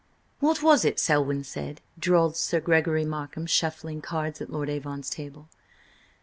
"What was it Selwyn said?" drawled Sir Gregory Markham, shuffling cards at Lord Avon's table.